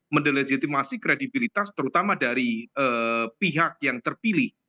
mendelegitimasi kredibilitas terutama dari pihak yang terpilih